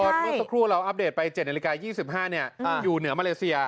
เมื่อสักครู่เราอัปเดตไป๑๙๒๕อยู่เหนือมาเลสียา